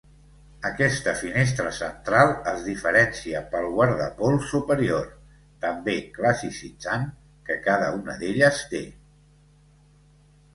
Aquesta finestra central es diferencia pel guardapols superior, també classicitzant, que cada una d'elles té.